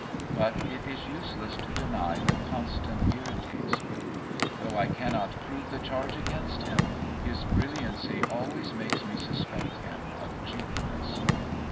But it is useless to deny that Constant irritates me. Though I cannot prove the charge against him, his brilliancy always makes me suspect him of cheapness."